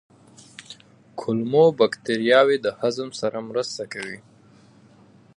کولمو بکتریاوې د هضم سره مرسته کوي.